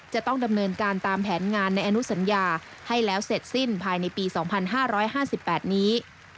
จะต้องดำเนินการตามแผนงานในอนุสัญญาให้แล้วเสร็จสิ้นภายในปี๒๕๕๘นี้